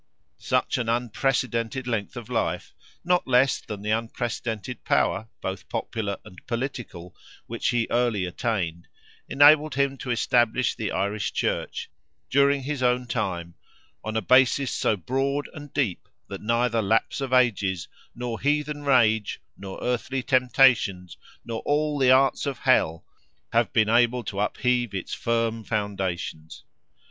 Such an unprecedented length of life, not less than the unprecedented power, both popular and political, which he early attained, enabled him to establish the Irish Church, during his own time, on a basis so broad and deep, that neither lapse of ages, nor heathen rage, nor earthly temptations, nor all the arts of Hell, have been able to upheave its firm foundations.